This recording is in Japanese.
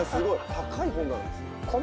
高い本棚ですね。